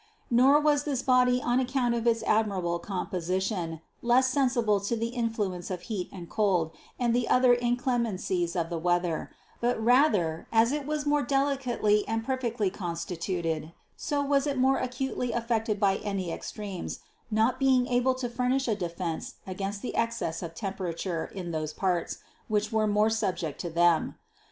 216. Nor was this body on account of its admirable composition, less sensible to the influence of heat and cold and the other inclemencies of the weather, but rather, as it was more delicately and perfectly constitut ed, so it was more acutely affected by any extremes, not being able to furnish a defense against the excess of temperature in those parts, which were more subject to them.